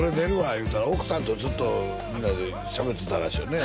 言うたら奥さんとずっとみんなでしゃべってたらしいよね